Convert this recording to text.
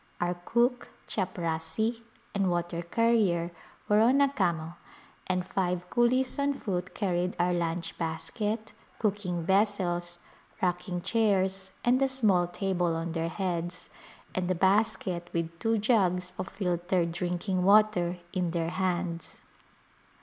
Our cook, chaprasi and water carrier were on a camel and five coolies on foot carried our lunch basket, cooking ves sels, rocking chairs and a small table on their heads, and a basket with two jugs of filtered drinking water in their hands.